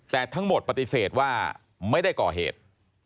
แต่ทั้งหมดปฏิเสธว่าไม่ได้ก่อเหตุ